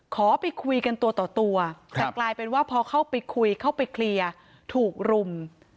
ขอไปคุยกันตัวต่อตัวแต่กลายเป็นว่าพอเข้าไปคุยเข้าไปเคลียร์ถูกรุม